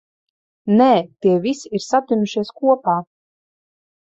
Nē, tie visi ir satinušies kopā.